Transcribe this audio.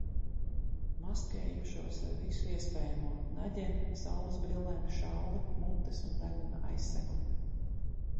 Maskējušos ar visu iespējamo - naģeni, saulesbrillēm, šalli, mutes un deguna aizsegu.